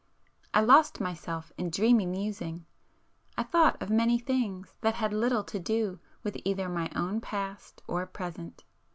I lost myself in dreamy musing,—I thought of many things that had little to do with either my own past or present.